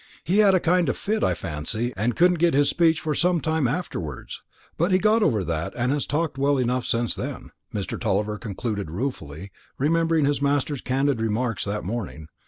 He had a kind of fit, I fancy, and couldn't get his speech for some time afterwards. But he got over that, and has talked well enough since then," Mr. Tulliver concluded ruefully, remembering his master's candid remarks that morning.